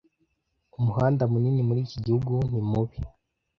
Umuhanda munini muri iki gihugu ni mubi.